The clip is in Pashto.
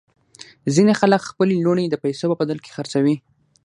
ځینې خلک خپلې لوڼې د پیسو په بدل کې خرڅوي.